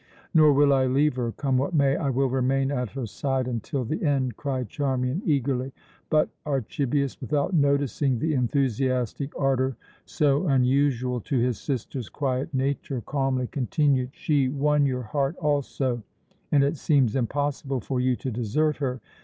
"Nor will I leave her, come what may. I will remain at her side until the end," cried Charmian eagerly. But Archibius, without noticing the enthusiastic ardor, so unusual to his sister's quiet nature, calmly continued: "She won your heart also, and it seems impossible for you to desert her.